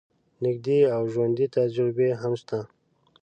نژدې او ژوندۍ تجربې هم شته.